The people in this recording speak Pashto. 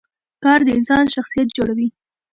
کار د انسان شخصیت جوړوي